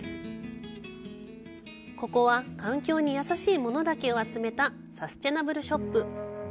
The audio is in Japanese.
ここは、環境に優しいものだけを集めたサステナブルショップ。